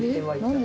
はい。